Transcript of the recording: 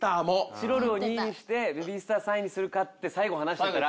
チロルを２位にしてベビースター３位にするかって最後話してたら。